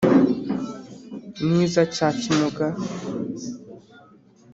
ni iza cya kimuga,